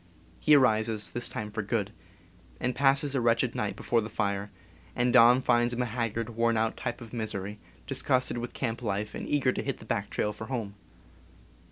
He arises, this time for good, passes a wretched night before the fire, and dawn finds him a haggard, worn out type of misery, disgusted with camp life and eager to hit the back trail for home.